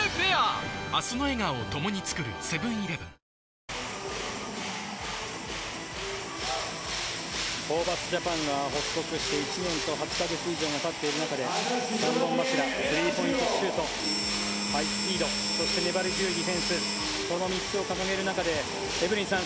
原が体をぶつけてホーバスジャパンが発足して１年と８か月以上がたっている中で三本柱スリーポイントシュートハイスピードそして粘り強いディフェンスこの３つを掲げる中でエブリンさん